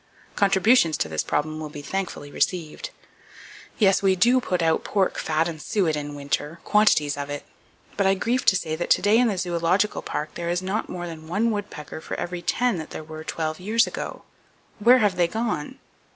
Contributions to this problem will be thankfully received. Yes; we do put out pork fat and suet in winter, quantities of it; but I grieve to say that to day in the Zoological Park there is not more than one woodpecker for every ten that were there twelve years ago. Where have they gone?